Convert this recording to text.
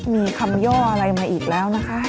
มีคำย่ออะไรมาอีกแล้วนะคะ